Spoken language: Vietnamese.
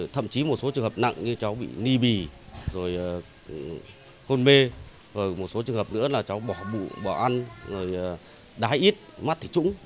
thậm chí một số trường hợp nặng như cháu bị ni bì khôn mê một số trường hợp nữa là cháu bỏ bụng bỏ ăn đáy ít mắt thịt trũng